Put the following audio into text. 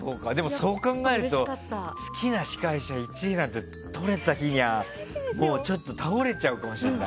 そう考えると好きな司会者１位なんてとれた日にはちょっと倒れちゃうかもしれない。